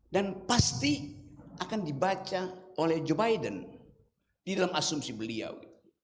dan pasti akan dibaca oleh joe biden di dalam asumsi beliau